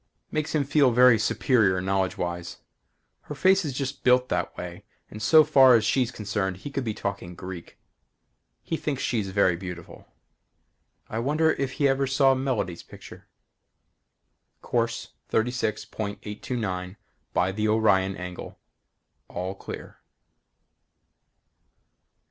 Makes him feel very superior knowledgewise. Her face is just built that way and so far as she's concerned he could be talking Greek. He thinks she's very beautiful. I wonder if he ever saw Melody's picture? Course 36.829 by the Orion angle. All clear.